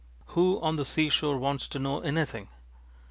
Who on the seashore wants to know anything?